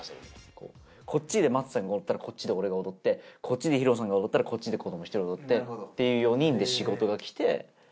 こっちでＭＡＴＳＵさんが踊ったらこっちで俺が踊ってこっちでＨＩＲＯさんが踊ったらこっちで子ども１人踊ってっていう４人で仕事がきて。